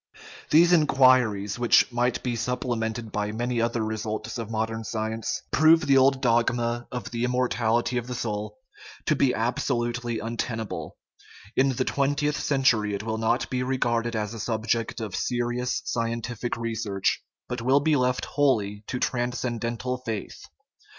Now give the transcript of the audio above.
These inquiries, which might be supplemented by many other results of modern science, prove the old dogma of the immortality of the soul to be absolutely untenable; in the twentieth century it will not be re garded as a subject of serious scientific research, but will be left wholly to transcendental "faith."